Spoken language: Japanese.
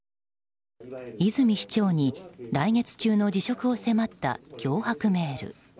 泉市長に来月中の辞職を迫った脅迫メール。